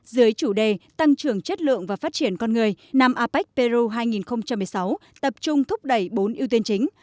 dưới chủ đề tăng trưởng chất lượng và phát triển con người năm apec peru hai nghìn một mươi sáu tập trung thúc đẩy bốn ưu tiên chính